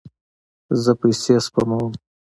زه پیسې سپموم